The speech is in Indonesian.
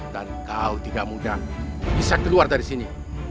dan kau tidak mudah bisa keluar dari sini